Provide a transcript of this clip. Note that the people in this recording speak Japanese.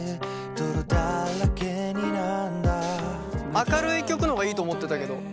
明るい曲の方がいいと思ってたけど。